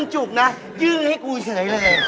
หอยไหนด้วยนี่